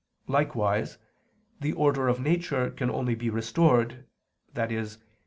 Likewise, the order of nature can only be restored, i.e.